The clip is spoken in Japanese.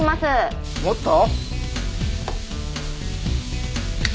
もっと？